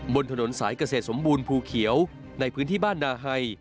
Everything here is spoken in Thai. บนถนนสายเกษตรสมบูรณภูเขียวในพื้นที่บ้านนาไฮ